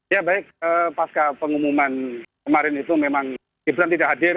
ya baik pasca pengumuman kemarin itu memang gibran tidak hadir